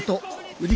売り！